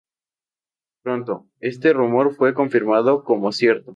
Pronto, este rumor fue confirmado como cierto.